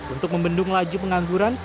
untuk membendung laju pengangguran